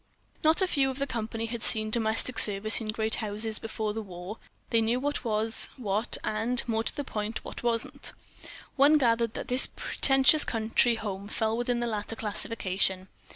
Not a few of the company had seen domestic service in great houses before the war; they knew what was what and—more to the point—what wasn't. One gathered that this pretentious country home fell within the latter classification.